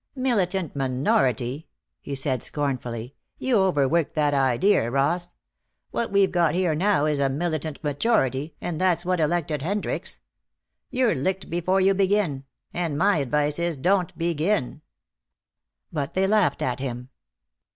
"Militant minority!" he said scornfully, "you overwork that idea, Ross. What we've got here now is a militant majority, and that's what elected Hendricks. You're licked before you begin. And my advice is, don't begin." But they laughed at him.